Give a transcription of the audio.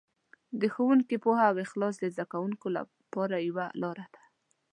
د ښوونکي پوهه او اخلاص د زده کوونکو لپاره یوه لاره ده.